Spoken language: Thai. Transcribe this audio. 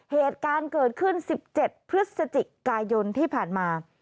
เหตุการณ์เกิดขึ้น๑๗พฤศจิกายนที่ผ่านมา